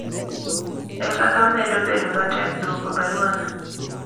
ekaka medo bedo matek dwoko barua no